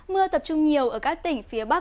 mưa tập trung nhiều ở các tỉnh phía bắc